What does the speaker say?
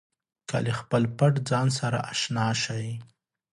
که له خپل پټ ځان سره اشنا شئ.